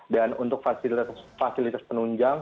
dan untuk fasilitas penunjang